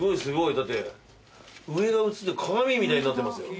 だって上が映って鏡みたいになってますよ。